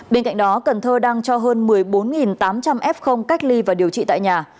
bên cạnh đó cần thơ đang cho hơn một mươi bốn tám trăm linh f cách ly và điều trị tại nhà